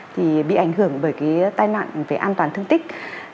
thì bị ảnh hưởng bởi cái tai nạn về an toàn thương tích